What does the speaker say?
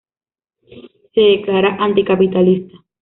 Se declara anticapitalista.